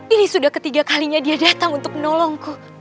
ini sudah ketiga kalinya dia datang untuk menolongku